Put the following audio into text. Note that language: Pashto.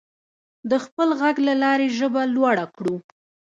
د خپل غږ له لارې ژبه لوړه کړو.